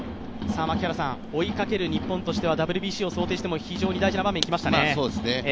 追いかける日本としてはＷＢＣを想定しても、非常に大事な場面きましたね。